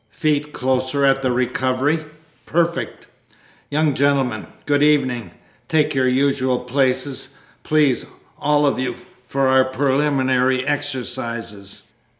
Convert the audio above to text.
Feet closer at the recovery. Perfect!) Young gentlemen, good evening. Take your usual places, please, all of you, for our preliminary exercises.